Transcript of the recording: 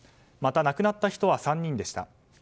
また、亡くなった人は３人でした。